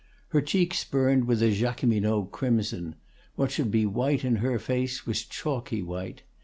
Her cheeks burned with a Jacqueminot crimson; what should be white in her face was chalky white.